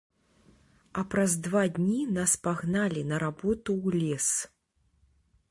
А праз два дні нас пагналі на работу ў лес.